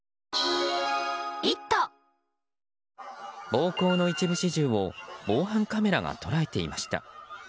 暴行の一部始終を防犯カメラが捉えていました。